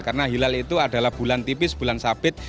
karena hilal itu adalah bulan tipis bulan sabit